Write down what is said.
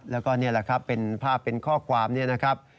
แล้วก็นี่แหละครับเป็นภาพเป็นข้อความนี่นะครับ